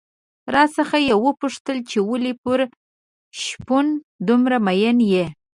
راڅخه یې وپوښتل چې ولې پر شپون دومره مين يې؟